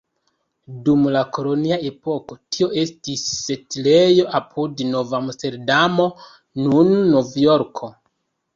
Dum la kolonia epoko tio estis setlejo apud Nov-Amsterdamo, nun Novjorko.